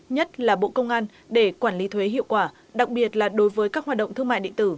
nhất là bộ công an để quản lý thuế hiệu quả đặc biệt là đối với các hoạt động thương mại điện tử